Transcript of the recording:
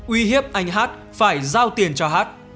uy hiếp anh h phải giao tiền cho h